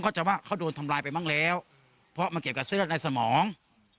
เขาจะว่าเขาโดนทำลายไปบ้างแล้วเพราะมาเก็บกับสิดละในสมอง